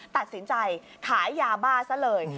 ตัดสินใจขายยาบ้าซะเลย